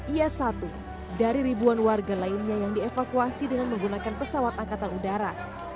ia satu dari ribuan warga lainnya yang dievakuasi dengan menggunakan pesawat angkatan udara